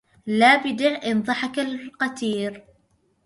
لا بدع إن ضحك القتير